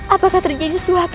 apakah terjadi sesuatu